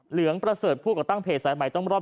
เหลืองประเสริฐผู้ก่อตั้งเพจสายใหม่ต้องรอด